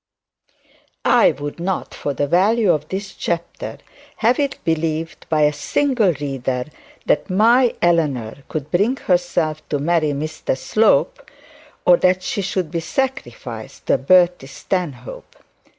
I would not for the value of this chapter have it believed by a single reader that my Eleanor could bring herself to marry Mr Slope, or that she should be sacrificed to a Bertie Stanhope.